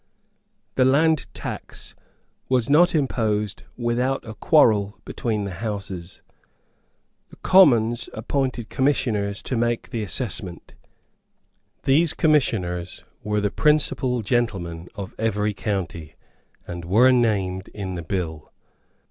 The land tax was not imposed without a quarrel between the Houses. The Commons appointed commissioners to make the assessment. These commissioners were the principal gentlemen of every county, and were named in the bill.